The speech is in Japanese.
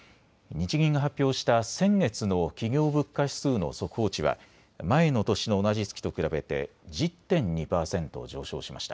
日銀が発表した先月の企業物価指数の速報値は前の年の同じ月と比べて１０．２％上昇しました。